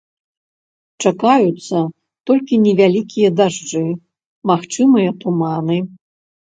Чакаюцца толькі невялікія дажджы, магчымыя туманы.